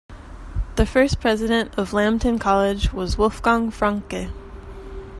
The first president of Lambton College was Wolfgang Franke.